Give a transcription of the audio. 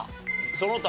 その他。